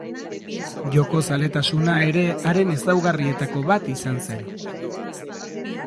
Jokozaletasuna ere haren ezaugarrietako bat izan zen.